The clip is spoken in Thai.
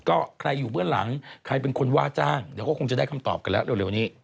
ก็ใครอยู่เบื้องหลังใครเป็นคนว่าจ้างเดี๋ยวก็คงจะได้คำตอบกันแล้วเร็วนี้